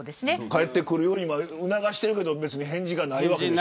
帰ってくるように促してるけど返事ないわけでしょ。